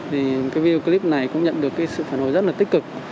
thì video clip này cũng nhận được sự phản hồi rất là tích cực